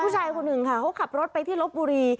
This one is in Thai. ผู้ชายคนหนึ่งค่ะเขาขับรถไปที่ลบบุรี